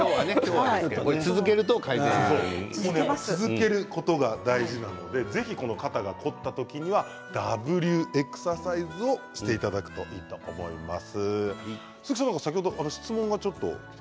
続けることが大事なので肩が凝った時にはＷエクササイズをしていくといいと思います。